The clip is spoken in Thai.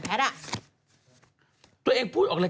พี่ปุ้ยลูกโตแล้ว